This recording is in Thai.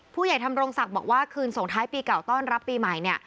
ผู้ใหญ่ทำรงศักดิ์บอกว่าคืนส่งท้ายปีเก่าต้อนรับปีใหม่